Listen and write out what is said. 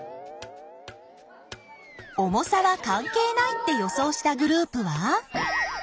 重さは関係ないって予想したグループは？